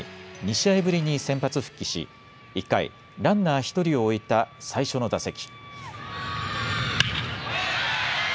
２試合ぶりに先発復帰し１回、ランナー１人を置いた最初の打席。